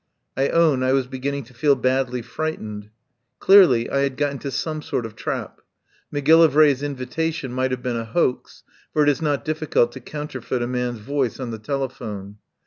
I own I was beginning to feel badly frightened. Clearly, I had got into some sort of trap. Macgillivray's invitation might have been a hoax, for it is not difficult to counter feit a man's voice on the telephone.